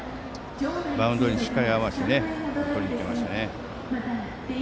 バウンドにしっかり合わせてとりにいきましたね。